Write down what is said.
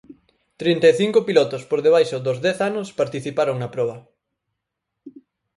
Trinta e cinco pilotos por debaixo dos dez anos participaron na proba.